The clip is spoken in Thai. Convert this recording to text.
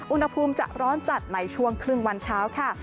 อุณหภูมิจะร้อนจัดในช่วงครึ่งวันเช้าค่ะ